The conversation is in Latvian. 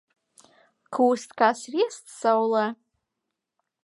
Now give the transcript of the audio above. Kūst kā sviests saulē.